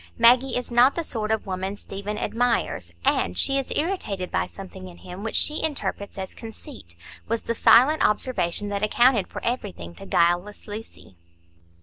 "Maggie is not the sort of woman Stephen admires, and she is irritated by something in him which she interprets as conceit," was the silent observation that accounted for everything to guileless Lucy.